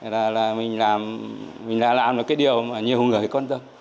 là mình đã làm được cái điều mà nhiều người quan tâm